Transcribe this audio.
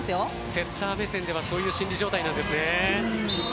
セッター目線ではそういう心理状態なんですね。